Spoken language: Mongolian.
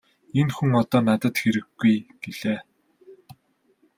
Энэ хүн одоо надад хэрэггүй -гэлээ.